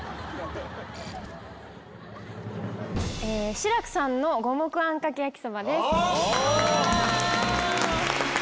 志らくさんの五目あんかけ焼きそばです。